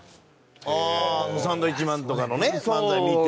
ああサンドウィッチマンとかのね漫才見て。